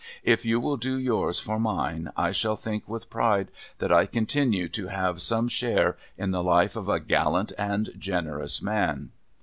If you will do yours for mine, I shall think w^ith pride that I continue to have some share in the life of a gallant and generous man.'